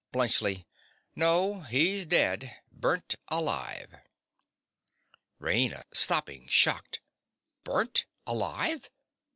_) BLUNTSCHLI. No: he's dead—burnt alive. RAINA. (stopping, shocked). Burnt alive!